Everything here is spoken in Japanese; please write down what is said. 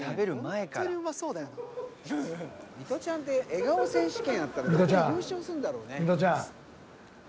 ミトちゃんって笑顔選手権あったら優勝すんだろうね。